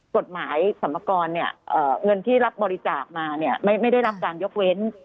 กฎหมายสรรพากรเงินที่รับบริจาคมาไม่ได้รับการยกเว้น